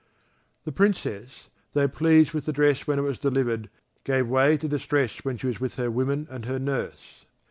The Princess, though pleased with the dress when it was delivered, gave way to distress when she was with her women and her nurse.